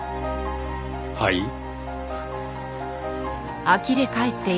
はい？